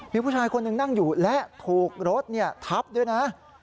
มีผู้ชายคนหนึ่งนั่งอยู่และถูกรถทับด้วยนะ